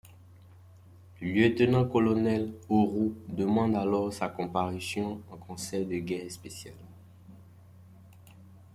Le lieutenant-colonel Auroux demande alors sa comparution en Conseil de guerre spécial.